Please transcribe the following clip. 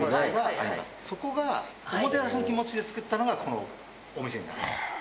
そこがおもてなしの気持ちで作ったのがこのお店になります。